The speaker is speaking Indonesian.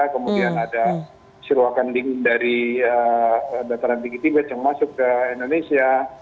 kemudian ada siruakan dingin dari dataran tinggi tibet yang masuk ke indonesia